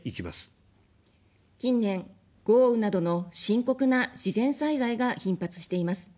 近年、豪雨などの深刻な自然災害が頻発しています。